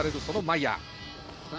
そのマイヤー。